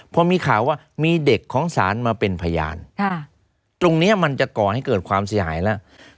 พอมีข่าวว่ามีเด็กของศาลมาเป็นพยานตรงนี้มันจะก่อให้เกิดความเสียหายแล้ว